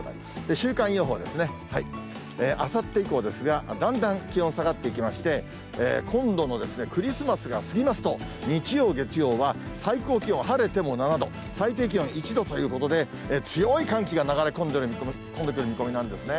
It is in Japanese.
週間予報ですね、あさって以降ですが、だんだん気温下がっていきまして、今度のクリスマスが過ぎますと、日曜、月曜は最高気温、晴れても７度、最低気温１度ということで、強い寒気が流れ込んでくる見込みなんですね。